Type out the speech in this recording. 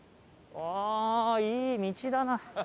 ああーいい道だな。